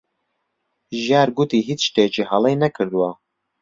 ژیار گوتی هیچ شتێکی هەڵەی نەکردووە.